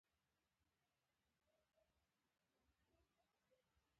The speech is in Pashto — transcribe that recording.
دوی او نور هسپانوي فاتحان لکه پیدرو ډي الواردو داسې وکړل.